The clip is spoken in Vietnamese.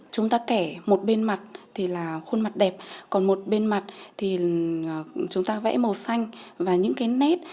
chúng ta kể một bên mặt thì là khuôn mặt đẹp còn một bên mặt thì chúng ta vẽ màu xanh và những cái nét